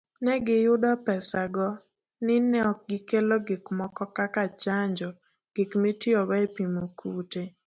Ne giyudo pesago, ni neok gikelo gikmoko kaka chanjo, gik mitiyogo epimo kute